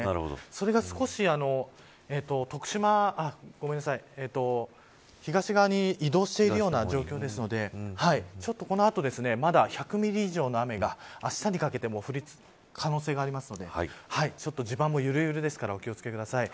それが少し東側に移動しているような状況ですのでちょっとこの後１００ミリ以上の雨があしたにかけても降る可能性があるのでちょっと地盤もゆるゆるですからお気を付けください。